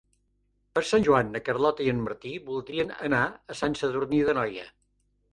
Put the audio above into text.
Per Sant Jordi na Carlota i en Martí voldrien anar a Sant Sadurní d'Anoia.